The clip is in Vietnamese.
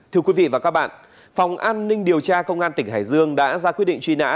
thưa quý vị và các bạn phòng an ninh điều tra công an tỉnh hải dương đã ra quyết định truy nã